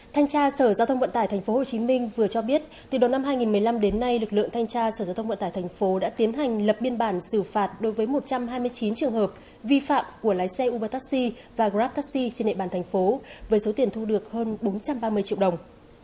thanh tra sở giao thông vận tải tp hcm vừa cho biết từ đầu năm hai nghìn một mươi năm đến nay lực lượng thanh tra sở giao thông vận tải tp đã tiến hành lập biên bản xử phạt đối với một trăm hai mươi chín trường hợp vi phạm của lái xe uber taxi và grab taxi trên địa bàn thành phố với số tiền thu được hơn bốn trăm ba mươi triệu đồng